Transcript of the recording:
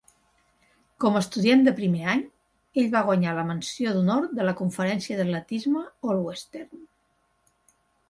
Com a estudiant de primer any, ell va guanyar la menció d'honor de la Conferència d'Atletisme All-Western.